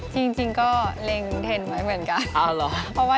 ตอนแรกเล็งไทยไว้หรือครับ